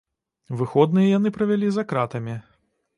Выходныя яны правялі за кратамі.